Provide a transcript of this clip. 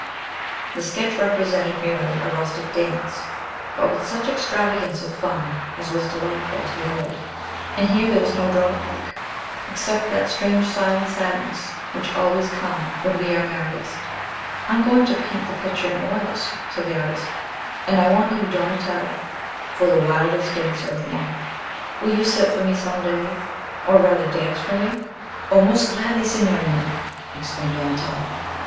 The sketch represented merely a rustic dance, but with such extravagance of fun as was delightful to behold; and here there was no drawback, except that strange sigh and sadness which always come when we are merriest. "I am going to paint the picture in oils," said the artist; "and I want you, Donatello, for the wildest dancer of them all. Will you sit for me, some day? or, rather, dance for me?" "O, most gladly, signorina!" exclaimed Donatello.